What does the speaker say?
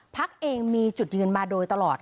พักเองมีจุดยืนมาโดยตลอด